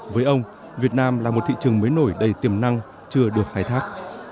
với ông việt nam là một thị trường mới nổi đầy tiềm năng chưa được khai thác